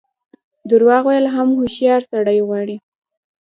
درواغ ویل هم هوښیار سړی غواړي.